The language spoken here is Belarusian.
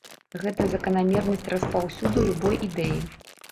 Гэта заканамернасць распаўсюду любой ідэі.